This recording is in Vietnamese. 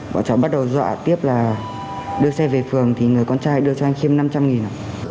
bọn chó bắt đầu dọa tiếp là đưa xe về phường thì người con trai đưa cho anh khiêm năm trăm linh nghìn